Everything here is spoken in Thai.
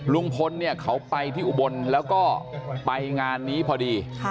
ลุงพลเนี่ยเขาไปที่อุบลแล้วก็ไปงานนี้พอดี